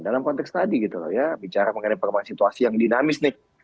dalam konteks tadi bicara mengenai situasi yang dinamis